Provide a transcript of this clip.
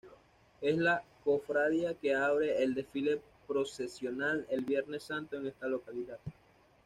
Es la cofradía que abre el desfile procesional el Viernes Santo en esta localidad.